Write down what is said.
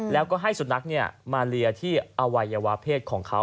แล้วก็ให้สุนัขมาเลียที่อวัยวะเพศของเขา